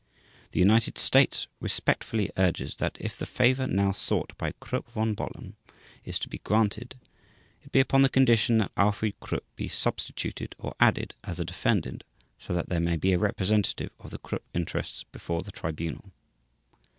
The United States respectfully urges that if the favor now sought by Krupp von Bohlen is to be granted, it be upon the condition that Alfried Krupp be substituted or added as a defendant so that there may be a representative of the Krupp interests before the Tribunal.